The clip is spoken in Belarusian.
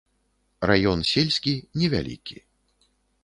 Раён сельскі, не вялікі.